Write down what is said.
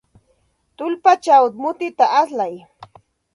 Tullpachaw mutita alsay.